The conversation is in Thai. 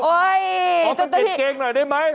โอ๊ยจ้ะแต่ที่ขอติดเกงหน่อยได้ไหม